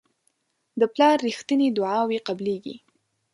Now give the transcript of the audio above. د پلار رښتیني دعاوې قبلیږي.